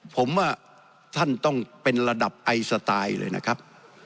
ผมว่าท่านต้องเป็นระดับไอสไตล์เลยนะครับ